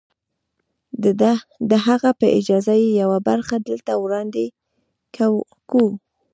د هغه په اجازه يې يوه برخه دلته وړاندې کوو.